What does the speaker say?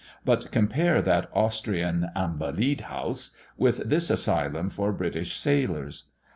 But compare that Austrian Invalidenhaus with this asylum for British sailors.